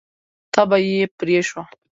تبه یې پرې شوه.